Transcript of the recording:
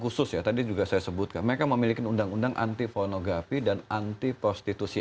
khusus ya tadi juga saya sebutkan mereka memiliki undang undang anti pornografi dan anti prostitusi